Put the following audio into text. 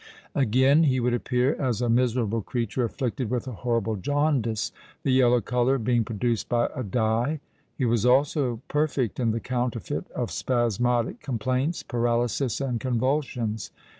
Again, he would appear as a miserable creature afflicted with a horrible jaundice—the yellow colour being produced by a dye. He was also perfect in the counterfeit of spasmodic complaints, paralysis, and convulsions.